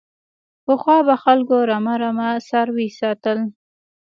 پخوا به خلکو رمه رمه څاروي ساتل.